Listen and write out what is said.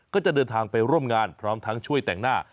ก็จะเดินทางไปร่วมงานพร้อมทั้งช่วยแต่งหน้า